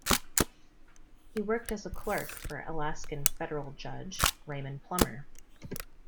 He worked as a clerk for Alaskan federal Judge Raymond Plummer.